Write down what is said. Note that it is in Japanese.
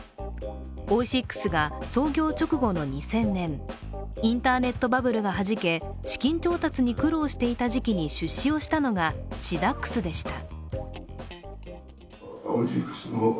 オイシックスが創業直後の２０００年、インターネットバブルがはじけ資金調達に苦労していた時期に出資をしたのがシダックスでした。